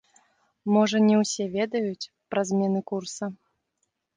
Можа не ўсе ведаюць пра змены курса.